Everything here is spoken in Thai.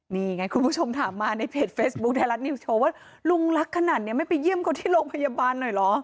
นี่ไงคุณผู้ชมถามมาในเพจเฟซบุ๊คไทยรัฐนิวสโชว์ว่าลุงรักขนาดนี้ไม่ไปเยี่ยมเขาที่โรงพยาบาลหน่อยเหรอ